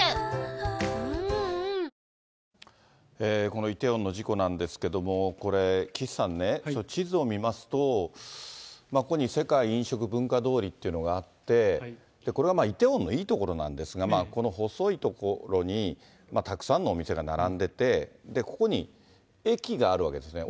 このイテウォンの事故なんけれども、これ、岸さんね、地図を見ますと、ここに世界飲食文化通りというのがあって、これはイテウォンのいいところなんですが、この細い所にたくさんのお店が並んでて、ここに駅があるわけですね。